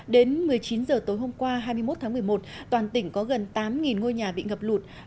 đến một mươi chín h tối hôm qua hai mươi một tháng một mươi một toàn tỉnh có gần tám ngôi nhà bị ngập lụt